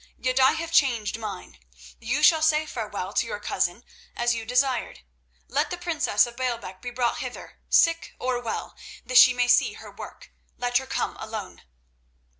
Yet I have changed mine. You shall say farewell to your cousin, as you desired. Let the princess of Baalbec be brought hither, sick or well, that she may see her work. Let her come alone."